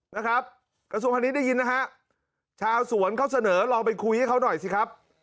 นะครับกระทรวงพาณิชได้ยินนะฮะชาวสวนเขาเสนอลองไปคุยให้เขาหน่อยสิครับ